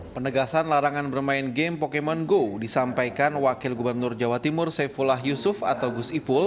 penegasan larangan bermain game pokemon go disampaikan wakil gubernur jawa timur saifullah yusuf atau gus ipul